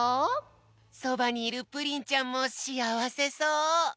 そばにいるプリンちゃんもしあわせそう。